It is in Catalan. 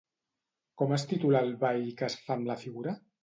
Com es titula el ball que es fa amb la figura?